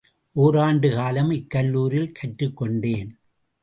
ஒராண்டு காலம் இக்கல்லூரியில் கற்றுக் கொண்டேன்.